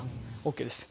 ＯＫです。